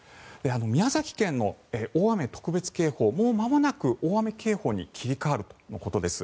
宮崎県の大雨特別警報もうまもなく大雨警報に切り替わるとのことです。